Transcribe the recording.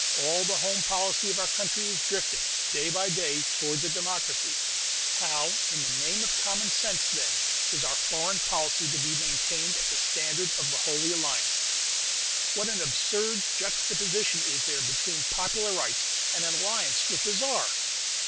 All the home policy of our country is drifting, day by day, towards a democracy: how, in the name of common sense, then, is our foreign policy to be maintained at the standard of the Holy Alliance? What an absurd juxtaposition is there between popular rights and an alliance with the Czar!